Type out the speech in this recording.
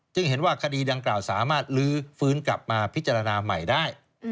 เห็นว่าคดีดังกล่าวสามารถลื้อฟื้นกลับมาพิจารณาใหม่ได้